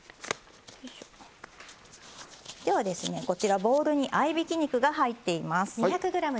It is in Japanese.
こちら、ボウルに合いびき肉が入っています。